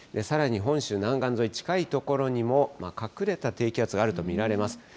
さらに本州南岸沿い、近い所にも、隠れた低気圧があると見られます。